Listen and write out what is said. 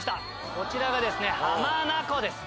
こちらが浜名湖です。